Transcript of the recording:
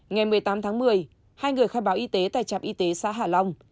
ngày một mươi tám tháng một mươi hai người khai báo y tế tại trạm y tế xã hà long